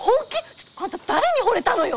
ちょっとあんた誰にほれたのよ！